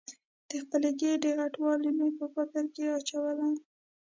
د خپلې ګېډې غټوالی مې په فکر کې اچولې یم.